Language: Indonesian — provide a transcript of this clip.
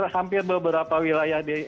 hampir beberapa wilayah